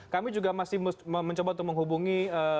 kami juga masih mencoba untuk menghubungi